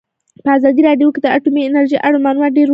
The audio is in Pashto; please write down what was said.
په ازادي راډیو کې د اټومي انرژي اړوند معلومات ډېر وړاندې شوي.